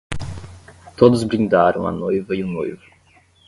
Todos brindaram a noiva e o noivo.